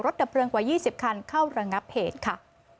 ดับเพลิงกว่า๒๐คันเข้าระงับเหตุค่ะ